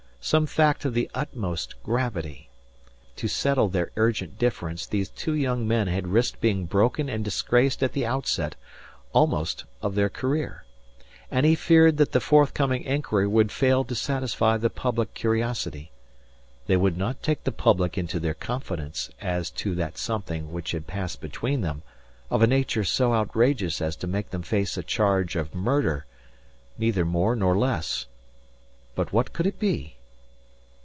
Some fact of the utmost gravity. To settle their urgent difference those two young men had risked being broken and disgraced at the outset, almost, of their career. And he feared that the forthcoming inquiry would fail to satisfy the public curiosity. They would not take the public into their confidence as to that something which had passed between them of a nature so outrageous as to make them face a charge of murder neither more nor less. But what could it be?